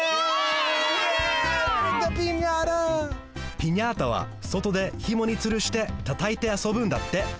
ピニャータはそとでひもにつるしてたたいてあそぶんだって。